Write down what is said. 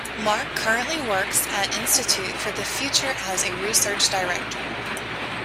Mark currently works at Institute for the Future as a Research Director.